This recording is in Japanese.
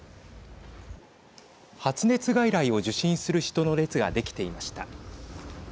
発熱外来を受診する人の列ができていました。